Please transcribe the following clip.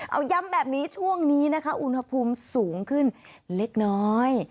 เอาย้ำแบบนี้ช่วงนี้นะคะอุณหภูมิสูงขึ้นเล็กน้อย